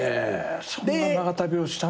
そんな長旅をしたんだ。